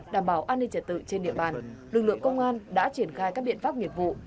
đảm bảo an ninh trật tự trên địa bàn lực lượng công an đã triển khai các biện pháp nghiệp vụ